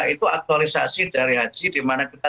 itu aktualisasi dari haji dimana kita